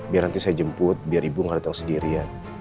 biar nanti saya jemput biar ibu nggak datang sendirian